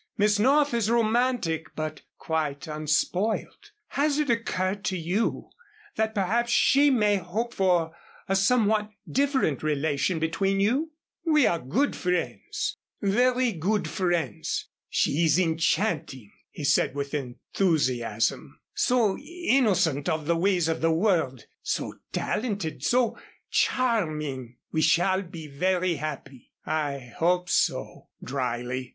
Miss North is romantic but quite unspoiled. Has it occurred to you that perhaps she may hope for a somewhat different relation between you?" "We are good friends very good friends. She is enchanting," he said with enthusiasm, "so innocent of the ways of the world, so talented, so charming. We shall be very happy." "I hope so," dryly.